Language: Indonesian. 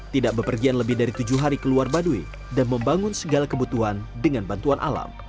tidak berpergian lebih dari tujuh hari keluar baduy dan membangun segala kebutuhan dengan bantuan alam